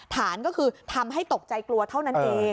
ฐานก็คือทำให้ตกใจกลัวเท่านั้นเอง